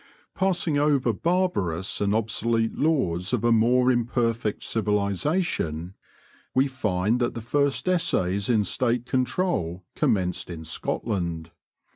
Passing over barbarous and obsolete laws of a more imperfect civilisation, we find that the first essays in State control commenced in Scotland.